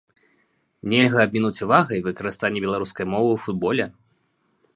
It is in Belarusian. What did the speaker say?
Нельга абмінуць увагай выкарыстанне беларускай мовы ў футболе.